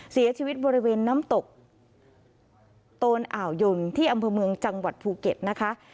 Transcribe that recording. เสียชีวิตบริเวณน้ำตกโตนอ่าวยนที่อำเภอเมืองจังหวัดภูเก็ตนะคะ